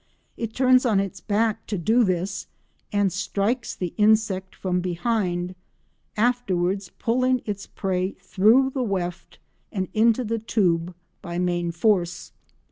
It turns on its back to do this, and strikes the insect from behind, afterwards pulling its prey through the weft and into the tube by main force.